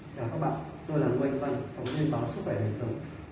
chào các bạn tôi là nguyễn văn phóng viên báo sức khỏe và sống